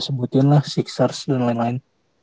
sebutin lah sixers dan lain lain